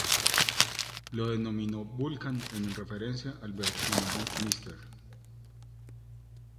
Lo denominó Vulcan en referencia al personaje Mr.